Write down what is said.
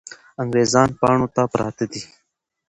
انګریزان پاڼو ته پراته دي.